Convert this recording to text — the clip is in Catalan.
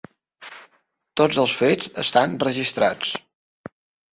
Tots els fets estan registrats.